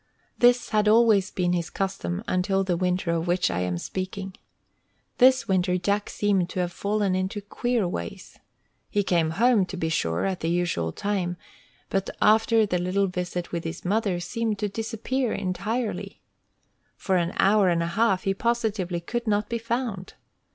This had always been his custom until the winter of which I am speaking. This winter Jack seemed to have fallen into queer ways. He came home, to be sure, at the usual time, but, after the little visit with his mother, seemed to disappear entirely. For an hour and a half he positively could not be found.